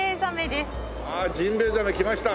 ああジンベエザメ来ました。